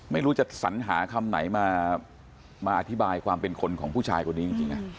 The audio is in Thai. ไม่รู้จะสัญหาคำไหนมาอธิบายความเป็นคนของผู้ชายคนนี้จริงนะ